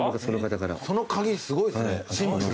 その鍵すごいですねシンプル。